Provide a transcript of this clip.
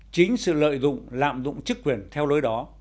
chính sự lợi dụng lạm dụng chức quyền theo lối đó